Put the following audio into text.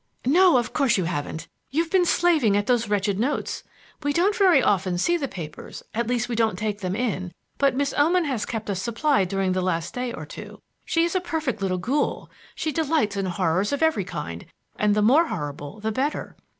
"No, of course you haven't. You've been slaving at those wretched notes. We don't very often see the papers, at least we don't take them in, but Miss Oman has kept us supplied during the last day or two. She is a perfect little ghoul; she delights in horrors of every kind, and the more horrible the better."